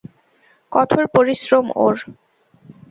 কঠোর পরিশ্রম ওর!